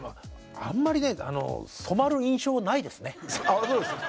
あんまりねそうですか？